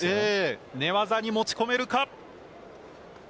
寝技に持ち込めるか。